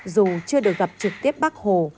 dù chưa được gặp trực tiếp bác hồ